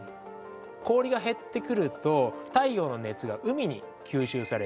氷が減ってくると太陽の熱が海に吸収されて海が温まる。